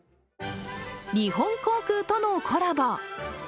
日本航空とのコラボ。